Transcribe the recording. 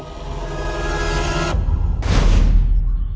ฟ้าหานม